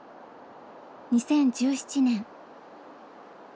２０１７年。